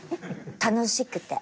楽しくて。